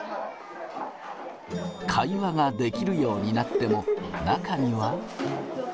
会話ができるようになっても、中には。